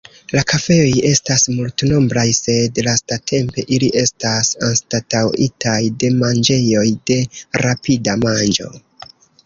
La kafejoj estas multnombraj, sed lastatempe ili estas anstataŭitaj de manĝejoj de rapida manĝo.